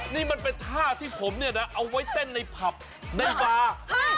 นี่มันเป็นท่าที่ผมเนี่ยนะเอาไว้เต้นในผับในบาร์